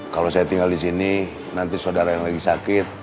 kalau saya tinggal di sini nanti saudara yang lagi sakit